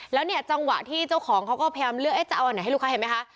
แล้วเนี่ยจังหวะที่เจ้าของเขาก็พยายามเลือกจะเอาอันไหนให้ลูกค้าเห็นไหมคะ